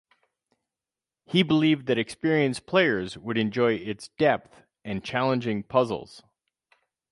He believed that experienced players would enjoy its depth and challenging puzzles.